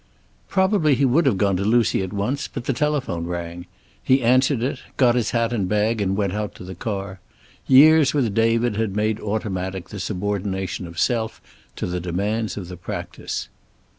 Probably he would have gone to Lucy at once, but the telephone rang. He answered it, got his hat and bag and went out to the car. Years with David had made automatic the subordination of self to the demands of the practice.